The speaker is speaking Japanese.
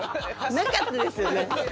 なかったですよね。